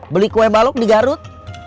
beli kue balok di garut